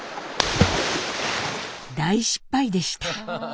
大失敗でした！